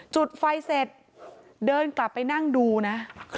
จุดไฟเสร็จเดินกลับไปนั่งดูนะ